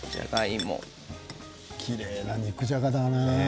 きれいな肉じゃがだね。